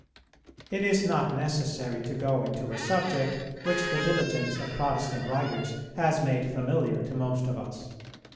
It is not necessary to go into a subject which the diligence of Protestant writers has made familiar to most of us.